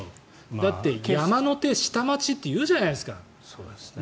だって山の手、下町っていうじゃないですか。